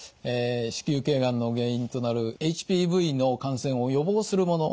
子宮頸がんの原因となるＨＰＶの感染を予防するものです。